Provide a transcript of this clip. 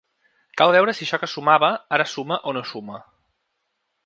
Cal veure si això que sumava, ara suma o no suma.